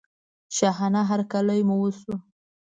شاهانه هرکلی مو وشو.